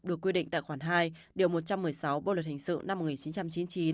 được quy định tại khoản hai điều một trăm một mươi sáu bộ luật hình sự năm một nghìn chín trăm chín mươi chín